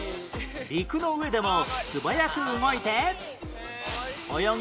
陸の上でも素早く動いて